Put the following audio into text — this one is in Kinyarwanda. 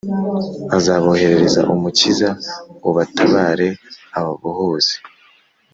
azaboherereza umukiza ubatabara, ababohoze.